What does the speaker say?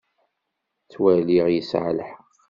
Ttwaliɣ yesɛa lḥeqq.